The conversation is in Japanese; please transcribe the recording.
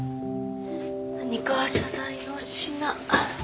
何か謝罪の品。